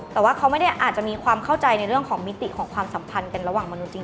แต่ว่าเขาไม่ได้อาจจะมีความเข้าใจในเรื่องของมิติของความสัมพันธ์กันระหว่างมนุษย์จริง